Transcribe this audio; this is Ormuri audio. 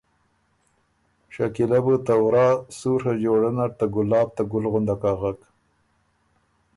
شکیلۀ بُو ته ورا سُوڒه جوړۀ نر ته ګلاب ته ګُل غندک اغک۔